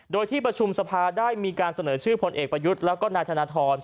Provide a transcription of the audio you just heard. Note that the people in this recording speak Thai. โดยที่ประชุมสภาได้มีการเสนอชื่อพลเอกประยุทธ์แล้วก็นายธนทร